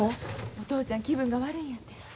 お父ちゃん気分が悪いんやて。